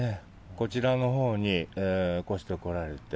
こちらのほうに越してこられて。